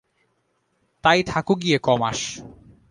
তাই থাকো গিয়ে ক মাস।